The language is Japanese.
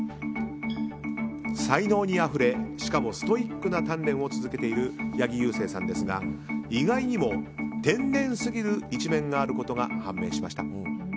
才能にあふれ、しかもストイックな鍛錬を続けている八木勇征さんですが意外にも天然すぎる一面があることが判明しました。